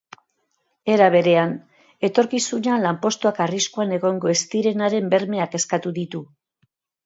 Era berean, etorkizunean lanpostuak arriskuan egongo ez direnaren bermeak eskatu ditu.